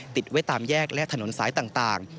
ติดไว้ตามแยกและถนนสายต่าง